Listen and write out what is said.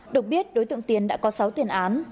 được biết đối tượng tiến đã có sáu tiền án